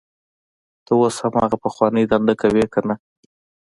ته اوس هم هغه پخوانۍ دنده کوې کنه